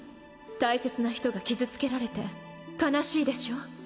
大切な人が傷つけられて悲しいでしょ？